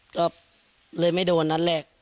ก็เลยไม่โดนนั่นแหละ